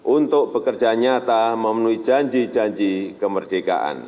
untuk bekerja nyata memenuhi janji janji kemerdekaan